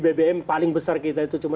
bbm paling besar kita itu cuma